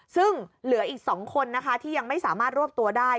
ซึ่งเหลืออีก๒คนนะคะที่ยังไม่สามารถรวบตัวได้